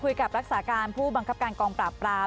รักษาการผู้บังคับการกองปราบปราม